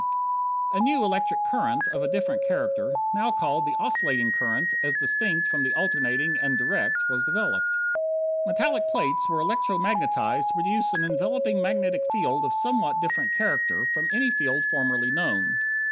A new electric current, of a different character now called the oscillating current as distinct from the alternating and direct was developed. Metallic plates were electro magnetized to produce an enveloping magnetic field of somewhat a different character from any field formerly known.